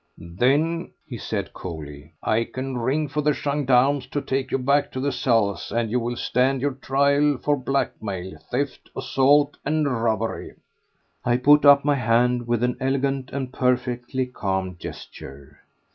"Then," he said coolly, "I can ring for the gendarmes to take you back to the cells, and you will stand your trial for blackmail, theft, assault and robbery." I put up my hand with an elegant and perfectly calm gesture.